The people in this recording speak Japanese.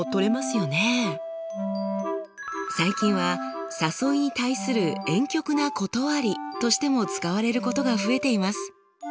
最近は誘いに対するえん曲な断りとしても使われることが増えています。